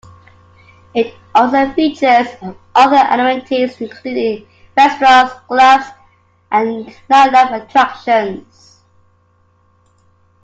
It also features of other amenities including restaurants, clubs and nightlife attractions.